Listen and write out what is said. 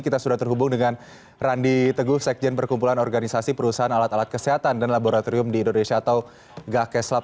kita sudah terhubung dengan randi teguh sekjen perkumpulan organisasi perusahaan alat alat kesehatan dan laboratorium di indonesia atau gakeslab